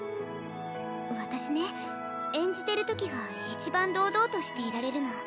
私ね演じてる時が一番堂々としていられるの。